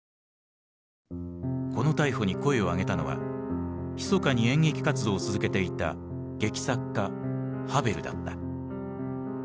この逮捕に声を上げたのはひそかに演劇活動を続けていた劇作家ハヴェルだった。